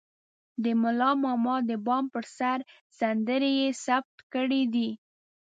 د ملا ماما د بام پر سر سندرې يې ثبت کړې دي.